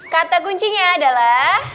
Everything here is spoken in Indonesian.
kata kuncinya adalah